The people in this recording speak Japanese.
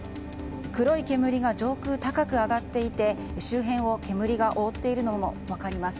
黒い煙が上空高く上がっていて周辺を煙が覆っているのが分かります。